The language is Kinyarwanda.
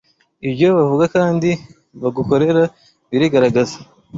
Ibyo bavuga kandi bagukorera birigaragaza